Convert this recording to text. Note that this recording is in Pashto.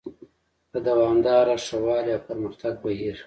د دوامداره ښه والي او پرمختګ بهیر: